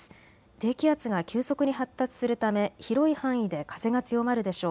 低気圧が急速に発達するため広い範囲で風が強まるでしょう。